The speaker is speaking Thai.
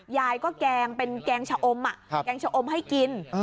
ยายก็แกงเป็นแกงชะอมแกงชะอมให้กิน